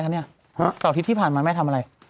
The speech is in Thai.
ลาเฝ้าทิศที่ผ่านมาไหมทำอะไร